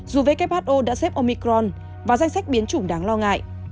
dù who đã xếp omicron vào danh sách biến chủng đáng lo ngại